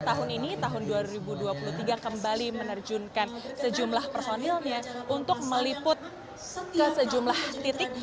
tahun ini tahun dua ribu dua puluh tiga kembali menerjunkan sejumlah personilnya untuk meliput ke sejumlah titik